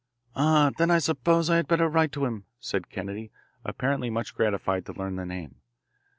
"Ah, then I suppose I had better write to him," said Kennedy, apparently much gratified to learn the name.